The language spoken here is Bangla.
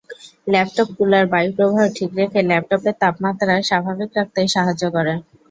ল্যাপটপ কুলার বায়ুপ্রবাহ ঠিক রেখে ল্যাপটপের তাপমাত্রা স্বাভাবিক রাখতে সাহায্য করে।